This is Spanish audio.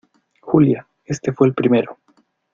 Julia, este fue el primero.